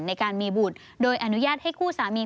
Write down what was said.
ในการมีบุตรโดยอนุญาตให้คู่สามี